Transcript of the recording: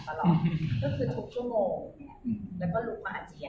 ก็คือทุกชั่วโมงแล้วก็ลุกมาอาเจียน